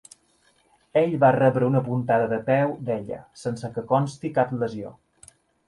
Ell va rebre una puntada de peu d’ella, sense que consti cap lesió.